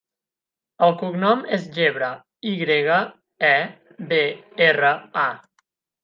El cognom és Yebra: i grega, e, be, erra, a.